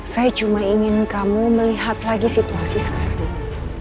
saya cuma ingin kamu melihat lagi situasi sekarang